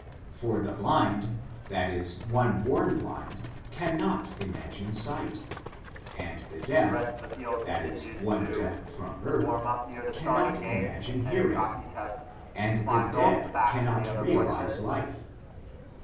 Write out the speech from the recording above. for the blind, that is one born blind, cannot imagine sight ; and the deaf, that is one deaf from birth, cannot imagine hearing; and the dead 1 cannot realise life.